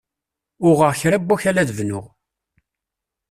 Uɣeɣ kra wakal ad bnuɣ.